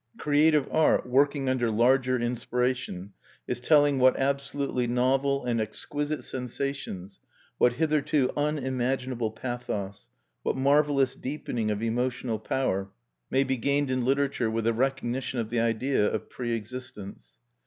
Creative art, working under larger inspiration, is telling what absolutely novel and exquisite sensations, what hitherto unimaginable pathos, what marvelous deepening of emotional power, may be gained in literature with the recognition of the idea of pre existence.